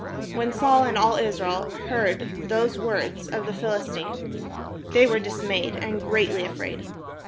547 PALESTINE When Saul and all Israel heard those words of the Philistine, they were dismayed, and greatly afraid.